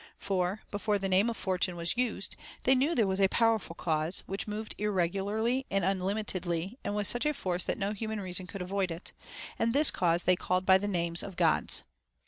For, before the name of Fortune was used, they knew there was a powerful cause, which moved irregularly and unlimitedly and with such a force that no human reason could avoid it ; and this cause they called by the names of Gods.